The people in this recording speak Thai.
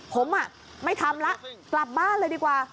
ผมไม่ทำแล้วกลับบ้านเลยดีกว่า